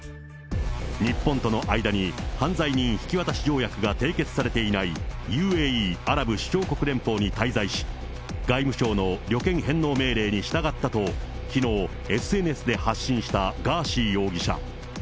日本との間に犯罪人引き渡し条約が締結されていないＵＡＥ・アラブ首長国連邦に滞在し、外務省の旅券返納命令に従ったと、きのう、ＳＮＳで発信したガーシー容疑者。